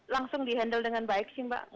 langsung di handle dengan baik sih mbak